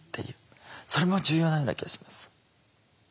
それも重要なような気がします。